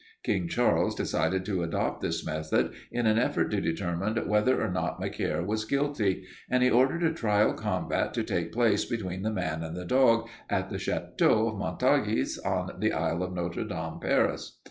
King Charles decided to adopt this method in an effort to determine whether or not Macaire was guilty, and he ordered a trial combat to take place between the man and the dog at the Château of Montargis on the Isle of Notre Dame, Paris.